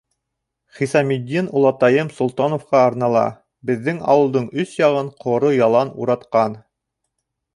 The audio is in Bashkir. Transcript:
Хисаметдин олатайым Солтановҡа арнала Беҙҙең ауылдың өс яғын ҡоро ялан уратҡан.